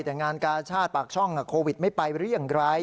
แต่งานกาชาติปากช่องโควิดไม่ไปหรือยังไร